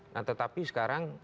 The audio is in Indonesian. nah tetapi sekarang